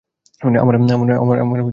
আমার ভয় করছে, স্ট্যান।